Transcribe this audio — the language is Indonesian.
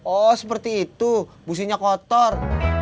oh seperti itu businya kotor